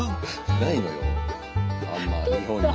ないのよあんま日本に。